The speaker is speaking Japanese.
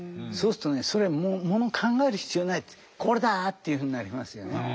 そうするとねそれはものを考える必要はないこれだ！っていうふうになりますよね。